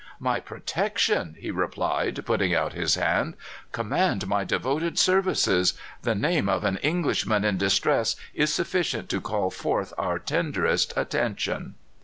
"My protection!" he replied, putting out his hand. "Command my devoted services! The name of an Englishman in distress is sufficient to call forth our tenderest attention."